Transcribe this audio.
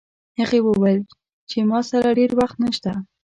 هغې وویل چې ما سره ډېر وخت نشته